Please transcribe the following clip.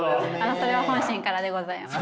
それは本心からでございます。